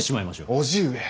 叔父上。